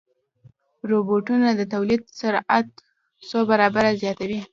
روبوټونه د تولید سرعت څو برابره زیاتوي.